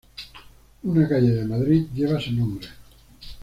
Una calle en Madrid lleva su nombre.